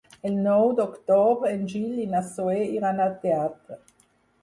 El nou d'octubre en Gil i na Zoè iran al teatre.